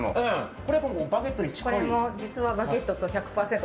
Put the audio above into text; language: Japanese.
これもバゲットに近い？